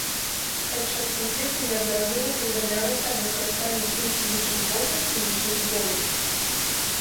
Падчас канфлікта неаднаразова паведамлялася аб выкарыстанні тым ці іншым бокам хімічнай зброі.